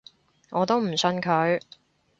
我都唔信佢